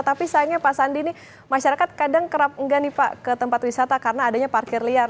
tapi sayangnya pak sandi ini masyarakat kadang kerap enggak nih pak ke tempat wisata karena adanya parkir liar